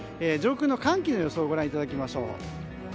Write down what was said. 上空の寒気の予想をご覧いただきましょう。